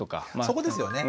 そこですよね。